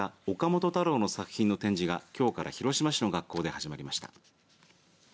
本太郎の作品の展示がきょうから広島市の学校で始まりました。